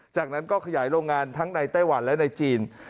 จากนั้นก็ขยายโรงงานทั้งในไต้หวันและในจีน